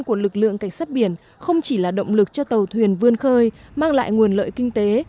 của lực lượng cảnh sát biển không chỉ là động lực cho tàu thuyền vươn khơi mang lại nguồn lợi kinh tế